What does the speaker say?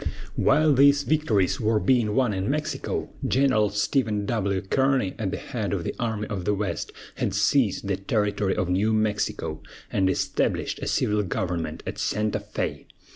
While these victories were being won in Mexico, General Stephen W. Kearny, at the head of the Army of the West, had seized the territory of New Mexico, and established a civil government at Santa Fé.